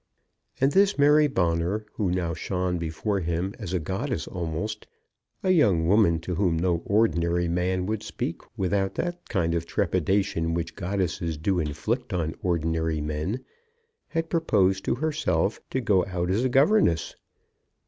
And this Mary Bonner, who now shone before him as a goddess almost, a young woman to whom no ordinary man would speak without that kind of trepidation which goddesses do inflict on ordinary men, had proposed to herself, to go out as a governess!